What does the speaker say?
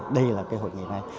đây là hội nghị này